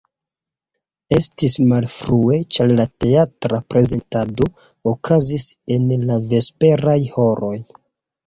Estis malfrue, ĉar la teatra prezentado okazis en la vesperaj horoj.